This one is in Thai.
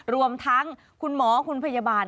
รวมทั้งคุณหมอคุณพยาบาล